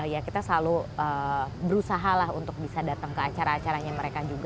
ya kita selalu berusaha lah untuk bisa datang ke acara acaranya mereka juga